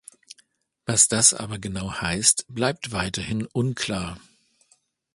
Was das aber genau heißt, bleibt weiterhin unklar.